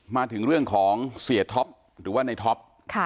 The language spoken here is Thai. มาถึงเรื่องของเสียท็อปหรือว่าในท็อป